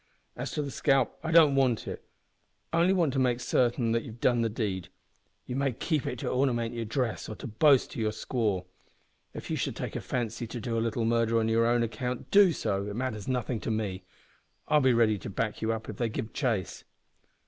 As to the scalp, I don't want it only want to make certain that you've done the deed. You may keep it to ornament your dress or to boast about to your squaw. If you should take a fancy to do a little murder on your own account do so. It matters nothin' to me. I'll be ready to back you up if they give chase."